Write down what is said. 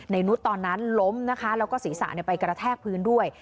นุษย์ตอนนั้นล้มนะคะแล้วก็ศีรษะไปกระแทกพื้นด้วย